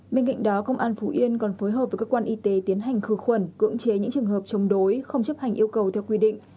bên cạnh đó công an phú yên còn phối hợp với cơ quan y tế tiến hành khử khuẩn cưỡng chế những trường hợp chống đối không chấp hành yêu cầu theo quy định